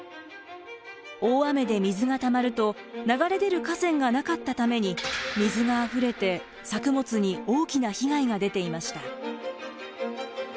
大雨で水がたまると流れ出る河川がなかったために水があふれて作物に大きな被害が出ていました。